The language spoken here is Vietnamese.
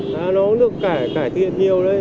nó cũng được cải thiện nhiều đấy